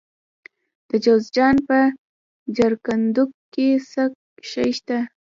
د جوزجان په جرقدوق کې څه شی شته؟